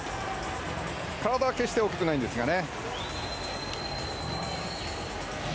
体は決して大きくないんですがね。